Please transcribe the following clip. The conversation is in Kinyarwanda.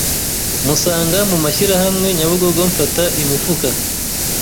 musanga mu mashyirahamwe Nyabugogo mfata imifuka.